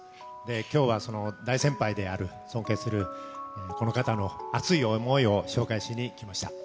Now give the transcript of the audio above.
きょうは大先輩である、尊敬するこの方の熱い想いを紹介しに来ました。